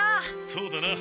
そうだな。